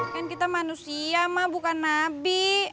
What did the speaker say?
kan kita manusia mah bukan nabi